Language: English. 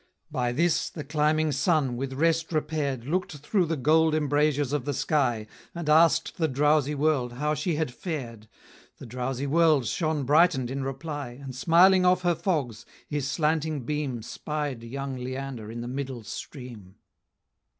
By this, the climbing Sun, with rest repair'd, Look'd through the gold embrasures of the sky, And ask'd the drowsy world how she had fared; The drowsy world shone brighten'd in reply; And smiling off her fogs, his slanting beam Spied young Leander in the middle stream.